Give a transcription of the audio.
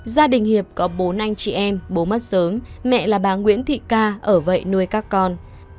gia đình hiệp có bốn anh chị em bố mất sớm mẹ là bà nguyễn thị ca ở vậy nuôi các con